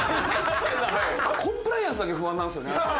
コンプライアンスだけ不安なんですよね。